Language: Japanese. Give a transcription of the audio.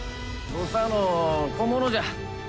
土佐の小物じゃ。